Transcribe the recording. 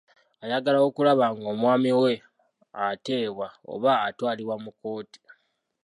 Ayagala okulaba ng'omwami we ateebwa oba atwalibwa mu kkooti.